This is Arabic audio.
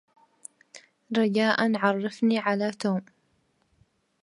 رجاء عرفني على توم.